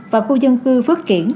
và khu dân cư phước kiển